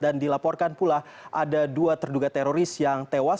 dan dilaporkan pula ada dua terduga teroris yang tewas